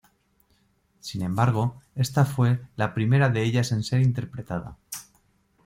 Sin embargo, esta fue la primera de ellas en ser interpretada.